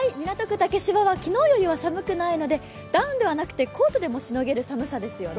竹芝は、昨日よりは寒くないので、ダウンではなくてコートでもしのげる寒さですよね。